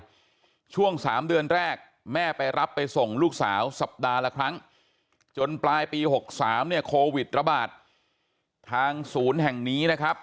ช่วง๓เดือนแรกแม่ไปรับไปส่งลูกสาวสัปดาห์ละครั้งจนปลายปี๖๓เนี่ยโควิดระบาดทางศูนย์แห่งนี้นะครับ